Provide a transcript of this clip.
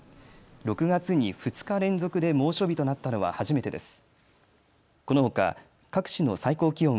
６月に２日連続で猛暑日となったのは初めてです。